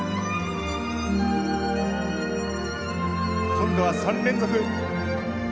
今度は３連続。